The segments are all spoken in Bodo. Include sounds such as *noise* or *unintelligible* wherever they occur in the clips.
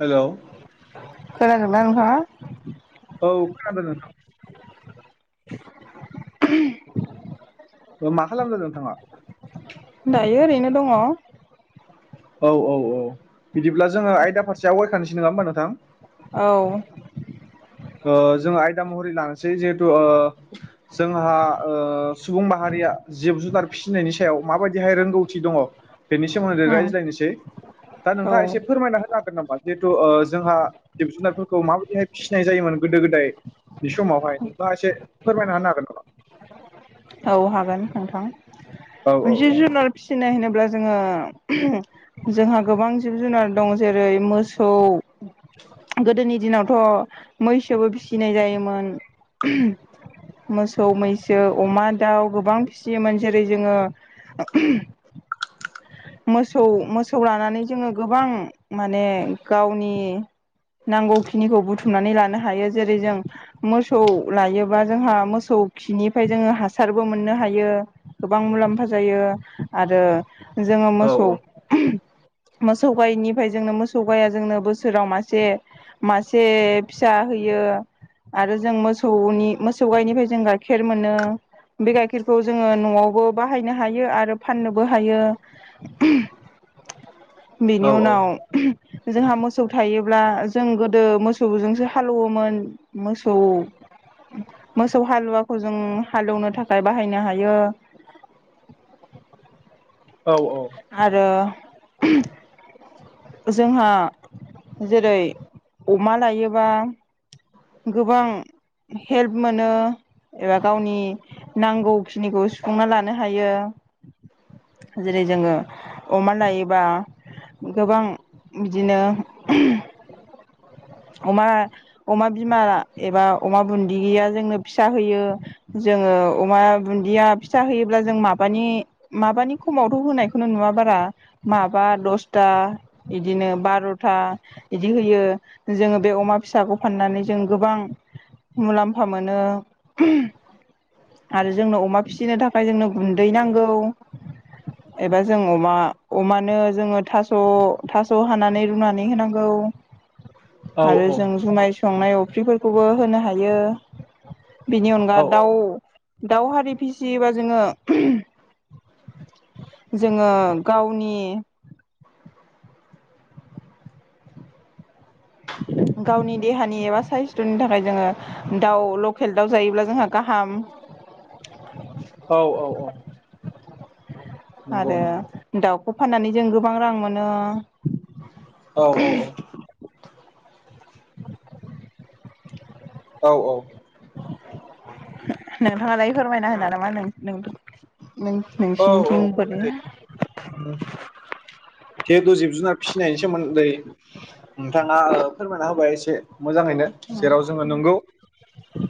हेलौ खोनादों ना नोंथाङा औ खोनादों नोंथां *unintelligible* मा खालामदों नोंथाङा दायो ओरैनो दङ'। औ औ औ बिदिब्ला जोङो आयदा फारसे आवगायखानोसै नङा होमबा नोंथां औ। ओ जोङो आयदा महरै लानोसै जिहेथु ओ जोंहा ओ सुबुं माहारि या जिब जुनार फिसिनायनि सायाव माबायदिहाय रोंगौथि दङ' बेनि सोमोन्दै उम रायज्लायनोसै दा औ नोंथाङा एसे फोरमायना होनो हागोन नामा? जिहेथु ओ जोंहा जिब जुनारफोरखौ माबायदिहाय फि सिनाय जायोमोन गोदो गोदायनि समावहाय नोंथाङा एसे फोरमायना होनो हागोन नामा? औ हागोन नोंथां औ मोनसे जुनार फिसिनाय होनो ब्ला जोङो जोंहा गोबां जिब जुनार दं जेरै मोसौ गोदोनि दिनाव थ' मैसोबो फिसिनाय जायोमोन मोसौ मैसो अमा दाउ गोबां फिसियोमोन जेरै जेरै जोङो मोसौ मोसौ लानानै जोङो गोबां माने गावनि नांगौखिनिखौ बुथुमनानै लानो हायो जेरै जों मोसौ लायोबा जोंहा मोसौ खौ खिनिफाय जोङो हासारबो मोननो हायो गोबां मुलाम्फा जायो। आरो जोङो औ मोसौ मोसौ गायनिफ्राय जोंनो मोसौ गाया जोंनो बोसोराव मासे मासे फिसा होयो। आरो जों मोसौनि मोसौ गायनिफ्राय जों गाइखेर मोनो। बे गाइखेरखौ जोङो न'आवबो बाहायनो हायो आरो फाननोबो हायो। *inaudible* औ बेनि उनाव जोंहा मोसौ थायोब्ला जों गोदो मोसौजोंसो हालौवोमोन मोसौ मोसौ हालुवाखौ जों हालेवनो था खाय बाहायनो हायो। औ आरो *inaudible* जोंहा जेरै अमा लायोबा गोबां हेल्प मोनो एबा गावनि नांगौखिनिखौ सुफुंना लानो हायो। जेरै जोङो अमा लायोबा गोबां बिदिनो *inaudible* अमा अमा बिमा एबा अमा बुन्दिया जोंनो फिसा होयो जों ओ अमा बुन्दिया फिसा होयोब्ला जों माबानि माबानि खमावथ' होनाय खौनो नुवा बारा माबा दसथा बिदिनो बार'था बिदि होयो जोङो बे अमा फिसाखौ फाननानै जों गोबां मुलाम्फा मोनो। आरो जोंनो अमा फिसिनो थाखाय जोंनो गुन्दै नांगौ। एबा जों अमा अमानो जोङो थास' थास' हानानै रुनानै होनांगौ *inaudible* आरो जों जुमाय संनाय अफ्रिफोरखौबो होनो हायो। बिनि अनगा दाउ औ दाउ हारि फिसियोबा जोङो जोङो गावनि गावनि देहानि एबा साइस्थ'नि थाखाय जोङो दाउ लकेल दाउ जायोब्ला जोंहा गाहाम औ औ औ। नंगौ आरो नंगौ दाउखौ फाननानै जों गोबां रां मोनो। औ औ औ औ औ नोंथाङालाय फोरमायना होनो नामा नों नों औ औ नों-नोंसिनिथिं बोरै *inaudible* जिहेतु जिब-जुनार फिसिनायनि सोमोन्दै नोंथाङा फोरमायना होबाय एसे मोजाङैनो जेराव जोङो नंगौ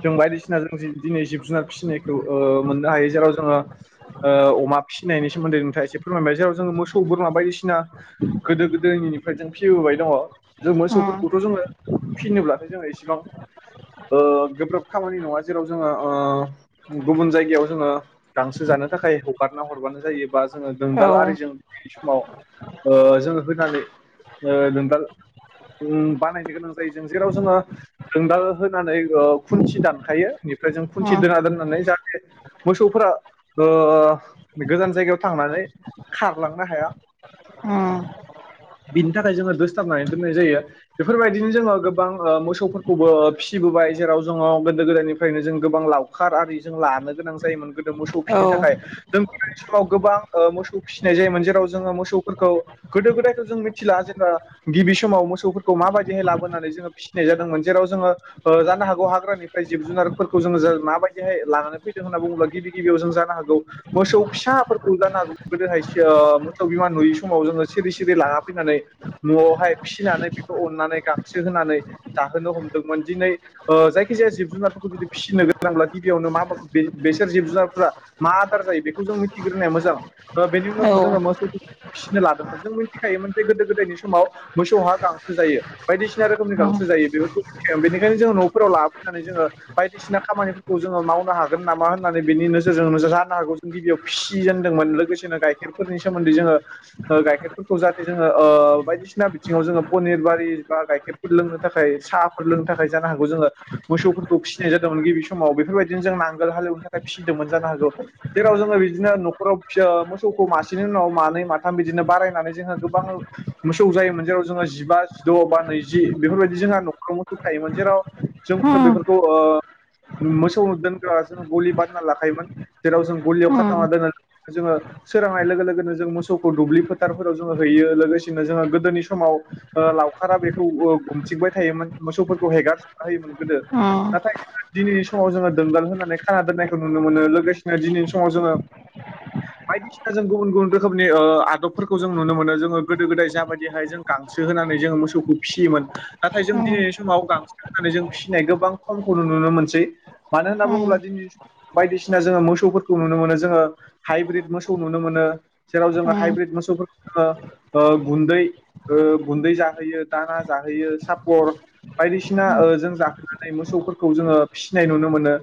जों बायदिसिना जों दिनै जिब-जुनार फिसिनायखौ ओ मोननो हायो जेराव जोङो ओ अमासिनायनि सोमोन्दै नोंथाङा एसे फोरमायबाय जेराव जोङो मोसौ बोरमा बायदिसिना गोदो-गोदोनिफ्राय जों फिबोबाय दङ जों उम मोसौफोरखौथ' जोङो फिनोब्ला जोङो एसेबां ओ गोब्राब खामानि नङा जेराव जोङो ओ गुबुन जायगायाव जोङो गांसो जा जानो थाखाय हगारना हरबानो जायो। बा जोङो औ दोंदाल आरिजों समाव ओ जोङो होनानै ओ दोंदाल ओम बानायनो गोनां जायो जों जेराव जोङो दोंदाल अ होनानै खुन्थि दानखायो। बेनिफ्राय जों खुनसे उम दोना दोननानै जा मोसौफोरा ओ गोजान जायगायाव थांनानै। खारलांनो हाया। उम। *unintelligible* बिनि थाखाय जोङो दोस्थाबनानै दोननाय जायो बेफोरबायदिनो जोङो गोबां ओमोसौफोरखौबो ओ फिसिबोबाय। जेराव जोङो गोदो गोदायनिफ्रायनो जों गोबां लावखार आरि जों लानो गोनां जायोमोन गोद मोसौ औ फिनो थाखाय जों बिदानि समाव गोबां मोसौ फिसिनाय जायोमोन जेराव जोङो मोसौ। फोरखौ गोदो गोदायथ' जों मिथिला जेनेबा गिबि समाव मोसौफोरखौ माबायदिहाय लाबोनानै जोङो फिसिनाय जादोंमोन जेराव जोङो अ जानो हागौ हाग्रानिफ्राय जिब जुनार जों माबायदिाय लानानै फैदों होननानै बु बुंब्ला गिबि गिबियाव जों जानो हागौ मोसौ फिसाफोरखौ जानोहागौ गोदोहाय ओ मोसौ बिमा नुयै स समाव जोङो सिरि सिरि लाना फैनानै न'आवहाय फिसिनानै बेखौ अननानै गांसो होनानै। जाहोनो हमदोंमोन दिनै ओ जायखि जाया जिब जुनारफोरखौ फिसिनो गोनां गिबियावनो मा मा बेसो जिब जुनारफोरा मा आदार जायो बेखौ जों मिथिग्रोनाया मोजां ओ बेनि औ उनावसो जोङो मोसौ फिसिनो लादोंमोन जों मिथिखायोमोन जे गोदो गोदायनि समाव मोसौहा गांसो जायो बायदिसिना रोखोमनि उम गांसो। जायो बेफोरखौ मिथियोमोन बेनिखायनो जोङो न'फोराव लाबोफैनानै जोङो बायदिसिना खानिफोरखौ जोङो मावनो हागोन नाम मा होननानै बेनि नोजोरजोंनो जानो हागौ जों गिबियाव फिसिजेनदोंमोन लोगोसेनो गाइखेरफोरनि सोमोन्दै जोङो। ओ गाइखेरफोरखौ जाहाथे जोङो ओ बायदिसिना बिथिङाव जोङो पनिर बारि बा गाइखेरफोर लोंनो थाख थाखाय साहफोर फोर लोंनो थाखाय जानो हागौ जोङो मोसौफोरखौ फिसिनाय जादोंमोन गिबि समाव बेफोरबायदिनो जों नांगोल हाल एउनो थाखाय फिसिदोंमोन जानो हागौ जेराव जोङो बिदिनो न'खराव ओ मोसौखौ मासेनि उनाव मानै माथ थाम बिदिनो बारायनानै जोंङो गोबां मोसौ जायोमोन जेराव जोङो जिबा जिद' बा नैजि बेफोरबायदि जा जोंहा न'खराव मोसौ थायोमोन जेराव जों उम बेफोरखौ ओ मोसौ दोनग्रा जोङो गलि बानायना लाखायोमोन जेराव जों। गलियाव उम उम खाथाबना दोनो जोङो सोरांनाय लोगो लोगोनो जों मोसौ खौ दुब्लि फोथारफोराव जोङो हैयो लोगोसेनो जोङो गोदोनि समाव लावखारा बेखौ ग ओम गुम। थिंबाय थायोमोन मोसौफोरखौ हेगार होयोमोन गोदो। नाथाय दिनैनि समाव जोङो दोंदाल होननानै खाना दोननायखौ नुनो मोनो लोगोसेनो दिनैनि समाव जोङो। बायदिसिना जों गुबुन गुबुन रोखोम। माने ओ आदबफोरखौ जों नुनो मोनो जोङो गोदो गोदाय जाबायदिहाय जों गांसो होनानै जोङो मोसौखौ फिसियोमोन। नाथाय जों उम उम दिनैनि समाव गांसो होनानै जों फिसिनाय गोबां खमखौ नुनो मोनसै। मानो होनना बुङोब्ला उम दिनै बायदिसिना जोङो मोसौफोरखौ नुनो मोनो जोङो हाइब्रिद मोसौ नुनो मोनो। जेराव जोङो हाइब्रिद मोसौफोरखौ जोङो ओ गुन्दै ओ गुन्दै जाहोयो दाना जा जाहैयो सापर। बायदिसिना ओ जों जाहोनानै मोसौफोरखौ जोङो फिसिनाय नुनो मोनो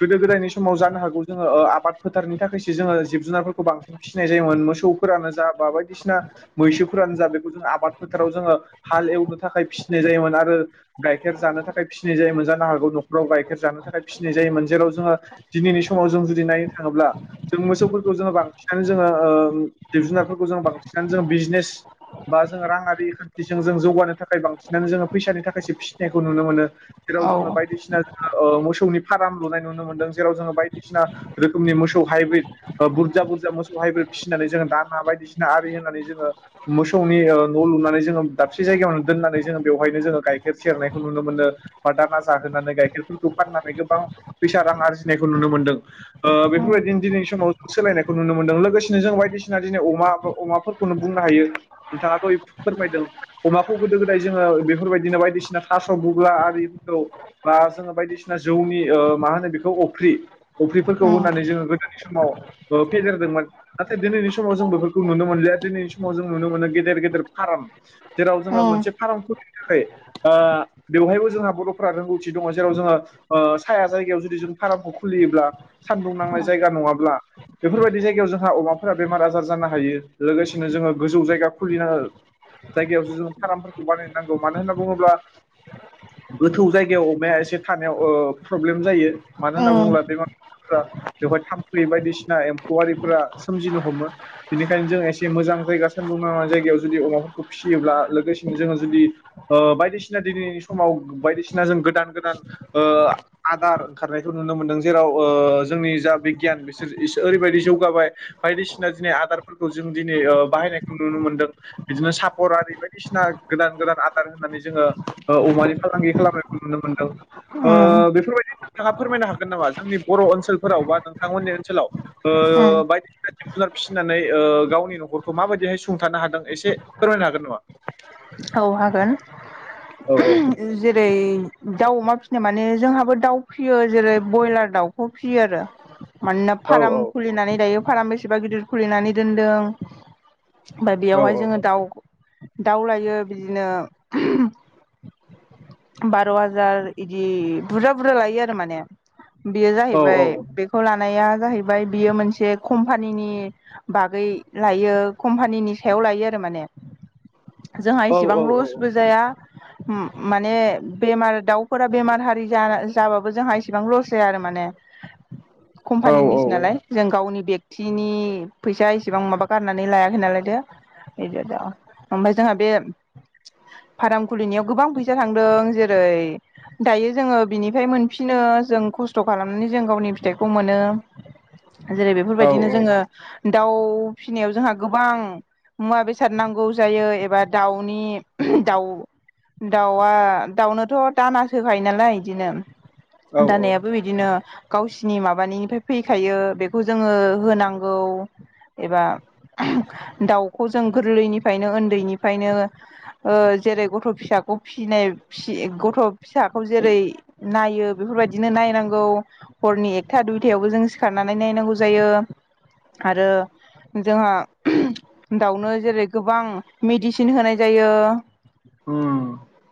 गोदो गोदायनि समाव जानो हागौ जोङो ओ आबाद फोथारनि थाखायसो जोङो जिब जुनारफोरखौ बांसिन फिसिनाय जायोमोन मोसौफोरानो जा बा बायदिसिना मैसोफोरानो जा बेखौ जों आबाद फोथाराव जोङो हाल एव थाखाय फिनाय जायोमोन आरो गाइखेर जानो थाखाय फिनाय जायोमोन जानो हागौ न'खराव गाइखेर जानो थाखाय फिसि जायोमोन जेराव जोङो दिनैनि समाव जों जुदि नायनो थाङोब्ला जों मोसौफोरखौ जों बांसिननानै जो जोङो ओ जिब जुनारफोरखौ जोङो बांसिनानो जोङो बिजनेस। बा जोङो राङारि खान्थिजों जों जौगानो थाखाय बांसिनानो जोङो फैसानि थाखायसो फिसिनायखौ नुनो मोनो। जेराव औ जोङो उम बायदिसिना। ओ मोसौनि फार्म लुनाय नुनो मोनदों। जेराव जोङो बायदिसिना रोखोमनि मोसौ हाइब्रि ओ बु बुरजा बुरजा मोसौ। हाय फिसिनानै जोङो दाना बायदिसिना आरि होननानै जोङो मोसौनि न' लुनानै जो दाबसे जाय सिगां दोननानै जोङो बेयावहानो जोङो गाइखेर सेरनायखौ नुनो मोनो बा दाना जाहोनानै गाइखेरफोरखौ फाननानै। गोबां फैसा रां आरजिनायखौ नुनो मोनदों ओ बेफोरबायदिनो दिनैनि समाव सोलायनायखौ नुनो मोनदों लोगोसेनो जों बायदिसिना दिनै अमा बा अमाफोरखौनो बुंनो हायो नोंथाङा दहाय फोरमायदों। अमाखौ गोदो गोदाय जोङो बेफोरबायदिनो बायदिसिना थास' बुबब्ला आरिफोरखौ बा जोङो बायदिसिना। जौनि ओ मा होनो बेखौ अफ्रि अफ्रिफोरखौ होनानै जोङो गोदोनि समाव ओ फेदेरदोंमोन नाथाय दिनैनि समाव जों बेफोरखौ नुनो मोनलिया‌। दिनैनि समाव जों नुनो मोनो गेदेर गेदेर फाराम। जेराव जोङो उम मोनसे फार्म थाखाय ओ बेवहायबो जोंहा बर'फोरा रोंगौथि दङ जेराव जोङो ओ साया जायगायाव जुदि जों फार्मखौ खुलियोब्ला सान्दुं नांनाय उम जायगा नङाब्ला बेफोरबायदि जायगायाव जोंहा अमाफोरा बेमार आजार जानो हायो। लोगोसेनो जोङो गोजौ जायगा खुलिनो जायगायावसो जोङो फार्मफोरखौ बानाय नांगौ। मानो होनना बुङोब्ला गोथौ जायगायाव अमाया एसे थानायाव प्रब्लेम जायो। मानो होनना उम बुङोब्ला बे फार्मफोरा जोबोद थामफै बायदिसिना एम्फौवारिफोरा सोमजिनो हमो। बेनिखायनो जों एसे मोजां जायगा सानदुंनां जायगायाव जुदि अमा फिसियोब्ला लोगोसेनो जोङो जुदि बायदिसिना दिनैनि समाव बायदिसिना जों गोदान गोदान आदार ओंखारनायखौ नुनो मोनदों जेराव जोंनि जा बिगियान बिसोर ओरैबायदि जौगाबाय बायदिसिना दिनै आदारफोरखौ जों दिनै बाहायनायखौ नुनो मोनदों बिदिनो सापर आरि बायदिसिना गोदान गोदान आदार होननानै जोङो अमानि फालांगि खालामनायखौ नुनो मोन्दों। औ ओ बेफोरबायदि नोंथाङा फोरमायनो हागोन नामा जोंनि बर' ओनसोलफोराव बा नोंथांमोननि ओनसोलाव। ओ। जुनार फिसिनानै गावनि न'खरखौ माबायदिहाय सुंथानो हादों एसे फोरमायनो हागोन नामा? *unintelligible* औ हागोन औ औ जेरै दाउ अमा फिसिनो माने जोंहाबो दाउ फियो जेरै ब्रयलार दाउखौ फिसियो आरो। मानोना फार्म औ खुलिनानै दायो फार्म बेसेबा गिदिर खुलिनानै दोनदों। ओमफ्राय औ बेयावहाय जोङो दाउ दाउ लायो बिदिनो बार' हाजार इदि बुरजा बुरजा लायो आरो माने। बेयो औ जाहैबाय औ बेखौ लाया जाहैबाय बियो मोनसे कम्पनिनि बैगै लायो कम्पानिनि सायाव लायो आरो माने। जोंहा औ इसेबां लसबो जाया उम। माने बेमार दाउफोरा बेमार हारि जाबा जाबाबो जोंहा इसेबां लस जाया आरो माने। कम्पानिनिसो नालाय जों गावनि बेक्तिनि फैसा इसेबां माबा गारनानै लायाखै नालाय बे ओमफ्राय जोंहा बे। फार्म खुलिनायाव गोबां फैसा थांदों जेरै दायो जोङो बिनिफ्राय मोन बिदिनो जों खस्थ' खालामनानै जों गावनि फिथाइखौ मोनो। जेरै औ बेफोरबायदिनो जोङो दाउ फिसिनायाव जोंहा गोबां। मुवा बेसाद नांगौ जायो एबा दाउनि दाउ। दाउआ दाउनोथ' दानासोहोखायो नालाय बिदिनो औ औ दानायाबो बिदिनो गावसिनि माबानिफ्राय फैखायो बेखौ जोङो होनांगौ एबा दाउखौ जों गोरलैनिफ्रायनो उन्दैनिफ्रायनो ओ जेरै गथ' फिसाखौ फिसिनाय फिसि गथ' फिसाखौ जेरै नायो बेफोरबायदिनो नायनांगौ हरनि एकथा दुइथायावबो जों सिखारनानै नायनांगौ जायो। आरो जोंहा दाउनो जेरै गोबां मेडिसिन होनाय जायो। *unintelligible*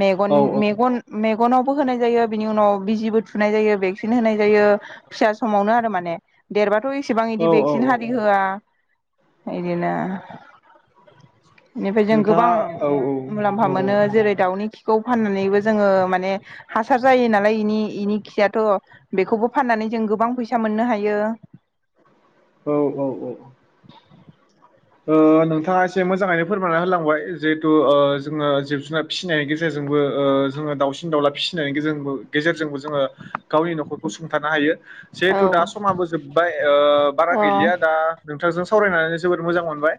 मेगन औ मेगन मेगनावबो होनाय जायो बिनि उनाव बिजिबो थुनाय जायो भेक्सिन होनाय जायो। फिसा समावनो आरो माने देरबाथ' इसेबां इदि औ औ भेक्सिन औ हारि होआ। बिदिनो *unintelligible* बेनिफ्राय जों गोबां नोंथाङा औ औ मुलाम्फा मोनो औ जेरै दाउनि खिखौ फाननानैबो जोङो माने माने हासार जायो नालाय बेनि बेनि खियाथ' बेखौबो फाननानै जों गोबां फैसा मोननो हायो। औ औ औ ओ नोंथाङा एसे मोजाङैनो फोरमायानना होलांबाय जिहेथु जोङो जिब जुनार फिसिनायनि गेजेरजों । जोंबो ओ दाबसे दाउला फिसिनायनि गेजेर गेजेरजों बो । जोङो गावनि न'खरखौ सुंथानो हायो औ जेहेथु दा समाबो जोबाय बारा अ गैलिया दा नोंथांजों सावरायनानै जोबोद मोजां मोनबाय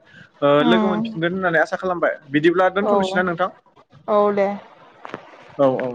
लोगो उम मोनफिनगोन होननानै आसा खालामबाय बिदिब्ला औ दोनथ'नोसैना नोंथां। औ दे औ-औ